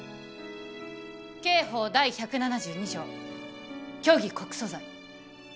刑法第１７２条虚偽告訴罪。